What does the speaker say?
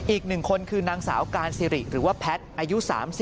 อีกหนึ่งคนคือนางสาวกานซิริหรือว่าแพทอายุ๓๐